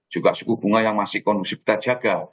juga suku bunga yang masih kondusif kita jaga